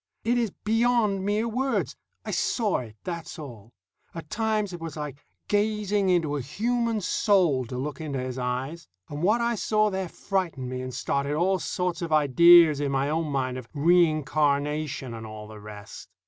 It is beyond mere words. I saw it, that's all. At times it was like gazing into a human soul, to look into his eyes; and what I saw there frightened me and started all sorts of ideas in my own mind of reincarnation and all the rest.